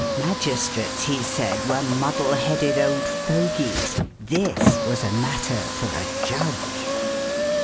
Magistrates, he said, were muddle headed old fogies. This was a matter for a judge.